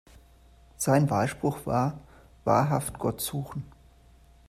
Sein Wahlspruch war „Wahrhaft Gott suchen“.